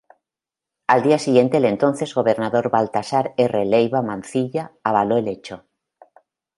Al siguiente día el entonces gobernador Baltazar R. Leyva Mancilla avaló el hecho.